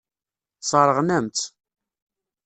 Sseṛɣen-am-tt.